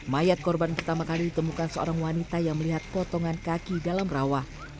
mayat korban pertama kali ditemukan seorang wanita yang melihat potongan kaki dalam rawa